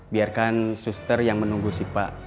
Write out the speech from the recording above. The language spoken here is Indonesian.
biarkan suster yang menunggu siva